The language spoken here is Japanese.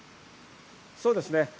そうですね。